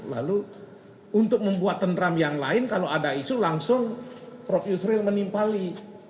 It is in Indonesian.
lalu untuk membuat tenram yang lain kalau ada isu langsung prof yusril menimpali